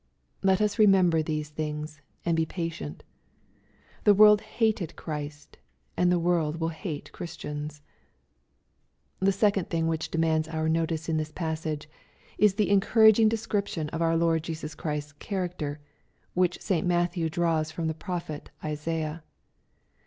Let us remember these things, and be patient. The world hated Christ, and the world will hate Christians. The second thing which demands our notice in this passage, is the encouraging description of our Lord Jesus Chrisfs character^ which St. Matthew draws from the prophet Isaiah.